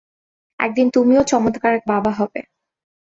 একদিন তুমিও চমৎকার এক বাবা হবে।